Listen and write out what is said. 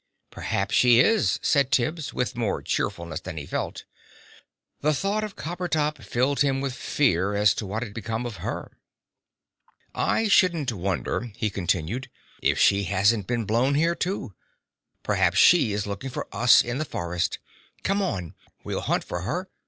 "Perhaps she is," said Tibbs, with more cheerfulness than he felt. The thought of Coppertop filled him with fear as to what had become of her. "I shouldn't wonder," he continued, "if she hasn't been blown here, too. Perhaps she is looking for us in the forest. Come on, we'll hunt for her.